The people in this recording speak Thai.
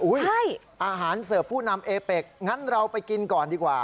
อาหารเสิร์ฟผู้นำเอเป็กงั้นเราไปกินก่อนดีกว่า